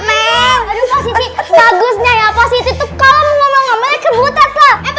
bagusnya ya pasti itu kalau mau ngomong ngomong kebutas apa sih itu